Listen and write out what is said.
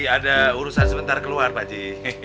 ada urusan sebentar keluar pak j